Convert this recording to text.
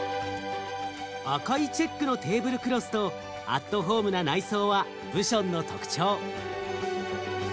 赤いチェックのテーブルクロスとアットホームな内装はブションの特徴。